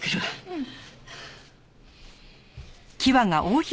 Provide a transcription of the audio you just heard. うん。